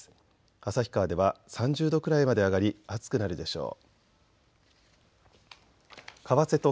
旭川では３０度くらいまで上がり暑くなるでしょう。